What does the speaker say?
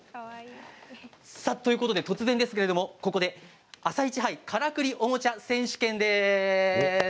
突然ですけども、ここであさイチ杯からくりおもちゃ選手権です。